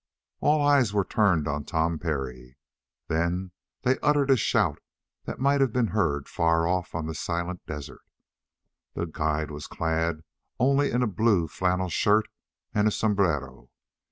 All eyes were turned on Tom Parry. Then they uttered a shout that might have been heard far off on the silent desert. The guide was clad only in a blue flannel shirt and a sombrero.